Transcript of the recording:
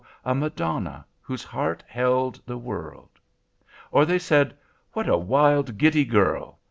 a Madonna, whose heart held the world. Or they said, 'What a wild, giddy girl!